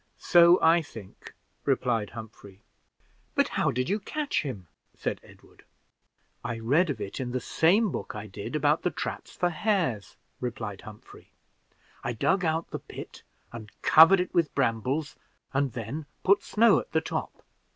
"So I think," replied Humphrey. "But how did you catch him?" said Edward. "I read of it in the same book I did about the traps for hares," replied Humphrey. "I dug out the pit and covered it with brambles, and then put snow at the top.